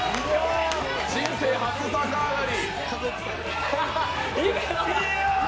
人生初逆上がり。